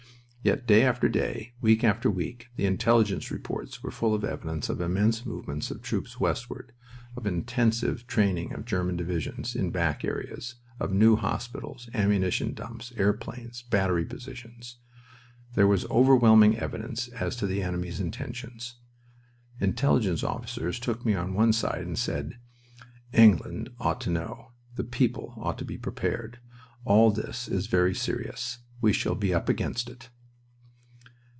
Yet day after day, week after week, the Intelligence reports were full of evidence of immense movements of troops westward, of intensive training of German divisions in back areas, of new hospitals, ammunition dumps, airplanes, battery positions. There was overwhelming evidence as to the enemy's intentions. Intelligence officers took me on one side and said: "England ought to know. The people ought to be prepared. All this is very serious. We shall be 'up against it.'"